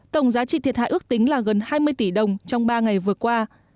tổng giá trị thiệt hại ước tính là gần hai mươi tỷ đồng trong ba ngày vừa qua